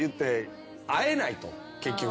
結局。